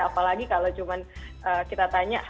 apalagi kalau cuma kita tanya